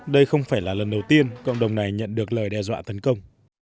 đây không phải là lần đầu tiên cộng đồng này nhận được lời đe dọa tấn công